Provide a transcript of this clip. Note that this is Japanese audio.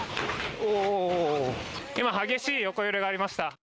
今、激しい横揺れがありました。